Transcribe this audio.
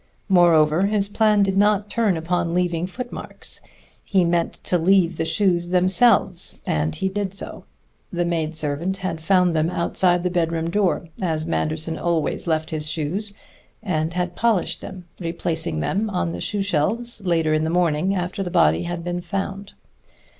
Moreover, his plan did not turn upon leaving footmarks. He meant to leave the shoes themselves, and he did so. The maidservant had found them outside the bedroom door, as Manderson always left his shoes, and had polished them, replacing them on the shoe shelves later in the morning, after the body had been found.